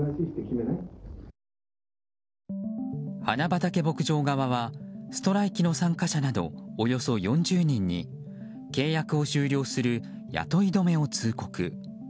花畑牧場側はストライキの参加者などおよそ４０人に契約を終了する雇い止めを通告。